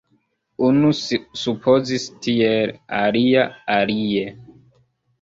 Unu supozis tiel, alia alie.